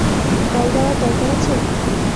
Call দেওয়ার দরকার আছে?